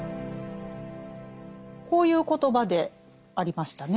こういう言葉でありましたね。